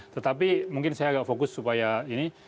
tetapi mungkin saya agak fokus supaya ini